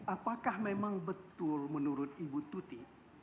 apakah memang betul menurut ibu tuti